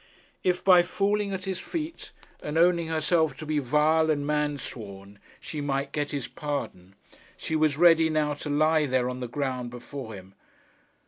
If by falling at his feet and owning herself to be vile and mansworn she might get his pardon, she was ready now to lie there on the ground before him.